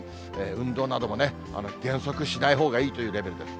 運動なども原則しないほうがいいというレベルです。